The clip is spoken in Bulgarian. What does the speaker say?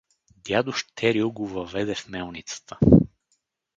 Дядо Щерю го въведе в мелницата.